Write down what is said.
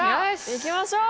いきましょう。